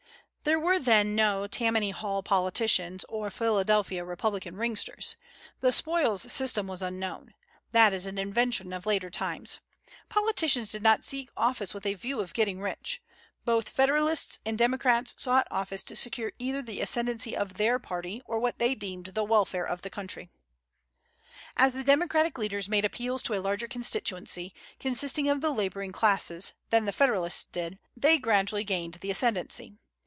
There were then no Tammany Hall politicians or Philadelphia Republican ringsters. The spoils system was unknown. That is an invention of later times. Politicians did not seek office with a view of getting rich. Both Federalists and Democrats sought office to secure either the ascendency of their party or what they deemed the welfare of the country. As the Democratic leaders made appeals to a larger constituency, consisting of the laboring classes, than the Federalists did, they gradually gained the ascendency.